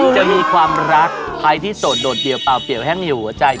จะมีความรักใครที่โสดโดดเดี่ยวเปล่าเปรียบแห้งอยู่หัวใจ